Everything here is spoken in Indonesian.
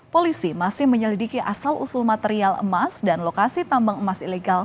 polisi masih menyelidiki asal usul material emas dan lokasi tambang emas ilegal